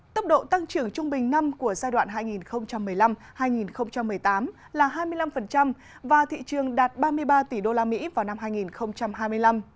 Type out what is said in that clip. tốc độ tăng trưởng trung bình năm của giai đoạn hai nghìn một mươi năm hai nghìn một mươi tám là hai mươi năm và thị trường đạt ba mươi ba tỷ usd vào năm hai nghìn hai mươi năm